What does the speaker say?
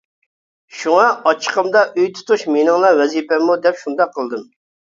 شۇڭا، ئاچچىقىمدا ئۆي تۇتۇش مېنىڭلا ۋەزىپەممۇ دەپ شۇنداق قىلدىم.